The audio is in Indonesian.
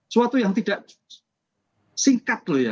suatu yang tidak singkat loh ya